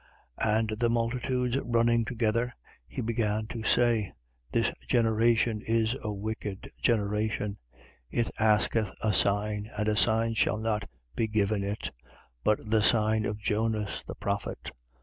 And the multitudes running together, he began to say: This generation is a wicked generation. It asketh a sign: and a sign shall not be given it, but the sign of Jonas the prophet. 11:30.